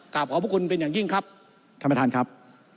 กราบขอบคุณเป็นอย่างยิ่งครับ